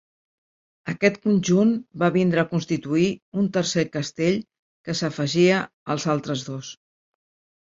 Aquest conjunt va vindre a constituir un tercer castell que s'afegia als altres dos.